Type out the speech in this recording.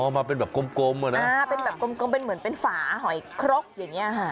อ๋อมาเป็นแบบกลมเหมือนเป็นฝาหอยครกอย่างนี้